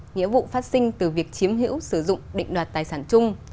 nghĩa vụ phát sinh từ việc chiếm hữu sử dụng định đoạt tài sản chung